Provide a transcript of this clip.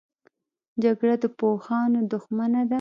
جګړه د پوهانو دښمنه ده